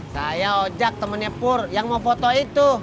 saya ojak temennya pur yang mau foto itu